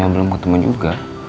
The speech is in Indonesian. ya belum ketemu juga